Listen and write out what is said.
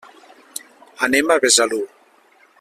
Anem a Besalú.